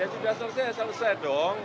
ya sudah selesai ya selesai dong